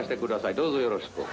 どうぞよろしく。